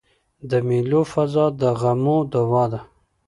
د مېلو فضا د غمو دوا ده.